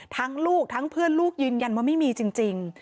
ลูกทั้งเพื่อนลูกยืนยันว่าไม่มีจริง